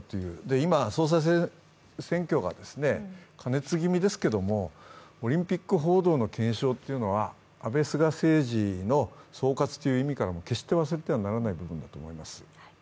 今、総裁選挙が過熱気味ですけど、オリンピック報道の検証は安倍・菅政治の総括という意味からも決して忘れてはならない部分だと思います。